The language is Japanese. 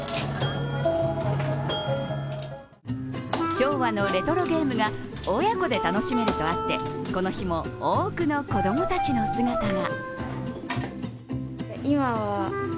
昭和のレトロゲームが親子で楽しめるとあってこの日も、多くの子供たちの姿が。